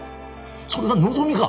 それが望みか？